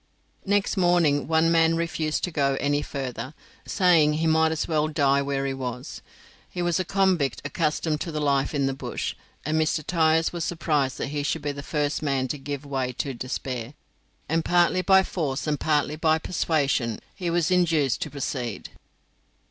Next morning one man refused to go any further, saying he might as well die where he was. He was a convict accustomed to life in the bush, and Mr. Tyers was surprised that he should be the first man to give way to despair, and partly by force and partly by persuasion he was induced to proceed.